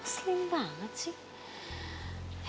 slim banget sih